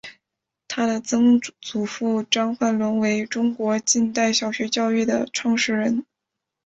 她的曾祖父张焕纶为中国近代小学教育的创始人。